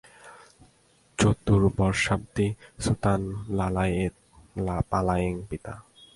চতুর্বর্ষাবধি সুতান লালয়েৎ পালয়েৎ পিতা।